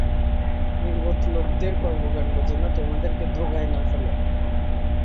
নির্বোধ লোকদের কর্মকাণ্ড যেন তোমাদেরকে ধোকায় না ফেলে।